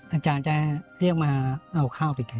อาจารย์จะเรียกมาเอาข้าวไปขาย